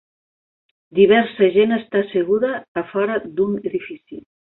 Diversa gent està asseguda a fora d'un edifici.